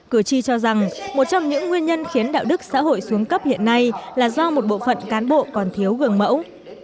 cử tri cho rằng một trong những nguyên nhân khiến đạo đức xã hội xuống cấp hiện nay là do một bộ phận cán bộ còn thiếu gương mẫu